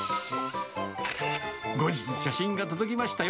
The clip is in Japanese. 後日、写真が届きましたよ。